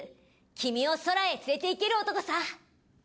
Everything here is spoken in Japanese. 君を空へ連れて行ける男さ！」。